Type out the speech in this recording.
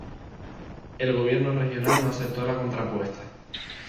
El gobierno regional no aceptó la contrapropuesta.